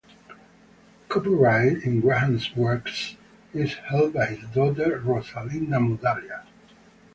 Copyright in Graham's works is held by his daughter, Rosalind Mudaliar.